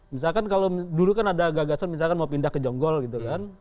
misalkan kalau dulu kan ada gagasan misalkan mau pindah ke jonggol gitu kan